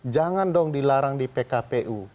jangan dong dilarang di pkpu